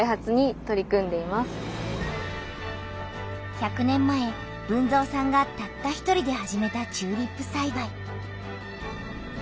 １００年前豊造さんがたった１人で始めたチューリップさいばい。